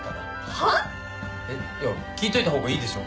はぁ⁉えっいや聞いといたほうがいいでしょ？